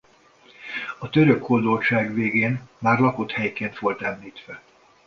A török hódoltság végén már lakott helyként volt említve.